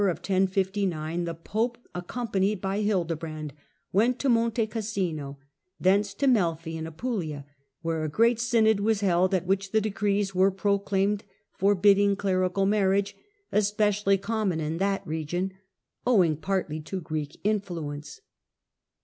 In the summer the pope, accompanied by uMow ^"^ Hildebrand, went to Monte Cassino, thence to Melfi in Apulia, where a great syuod was held at which the decrees were proclaimed forbidding clerical marriage, especially common in that region, owing partly to Greek influence.